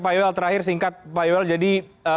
pak yul terakhir singkat pak yul jadi